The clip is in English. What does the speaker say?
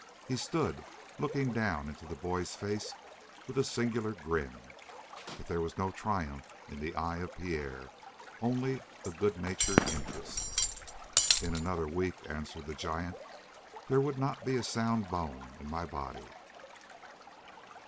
He stood looking down into the boy's face with a singular grin. But there was no triumph in the eye of Pierre only a good natured interest. "In another week," answered the giant, "there would not be a sound bone in my body."